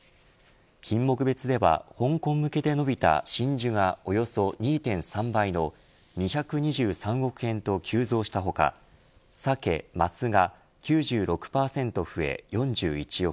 品目別では、香港向けで伸びた真珠がおよそ２．３倍の２２３億円と急増した他無事到着しました！